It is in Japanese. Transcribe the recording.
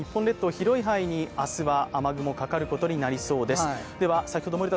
広い範囲に明日は雨雲がかかることになりそうです。